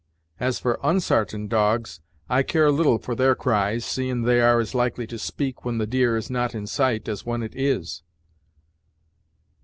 As for unsartain dogs, I care little for their cries, seein' they are as likely to speak when the deer is not in sight, as when it is."